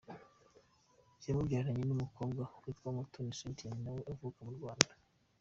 Yamubyaranye n’umukobwa witwa Umutoni Cynthia na we uvuka mu Rwanda.